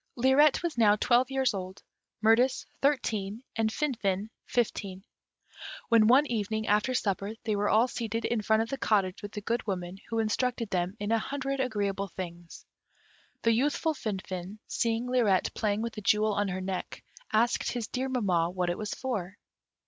Lirette was now twelve years old, Mirtis thirteen, and Finfin fifteen, when one evening, after supper, they were all seated in front of the cottage with the Good Woman, who instructed them in a hundred agreeable things. The youthful Finfin, seeing Lirette playing with the jewel on her neck, asked his dear mamma what it was for?